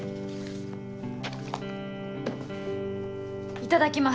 いただきます。